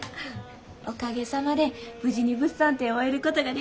おかげさまで無事に物産展を終えることができました。